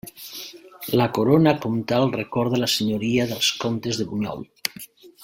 La corona comtal recorda la senyoria dels Comtes de Bunyol.